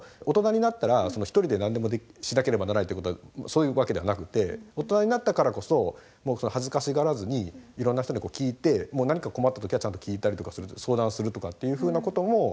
大人になったら一人で何でもしなければならないってことはそういうわけではなくて大人になったからこそ恥ずかしがらずにいろんな人に聞いて何か困った時はちゃんと聞いたりとか相談するとかっていうふうなことも。